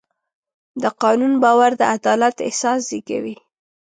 د قانون باور د عدالت احساس زېږوي.